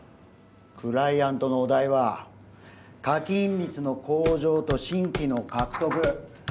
クライアントのお題は課金率の向上と新規の獲得。